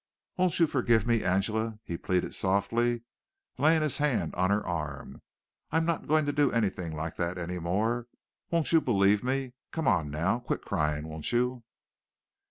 "Won't you forgive me, Angela?" he pleaded softly, laying his hand on her arm. "I'm not going to do anything like that any more. Won't you believe me? Come on now. Quit crying, won't you?"